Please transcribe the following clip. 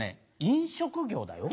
飲食業だよ。